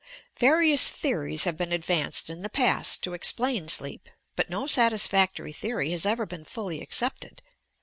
Various theories have been advanced in the past to explain sleep, but no satisfactory theory has ever been fully accepted.